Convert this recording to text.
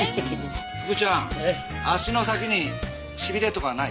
福ちゃん足の先にしびれとかはない？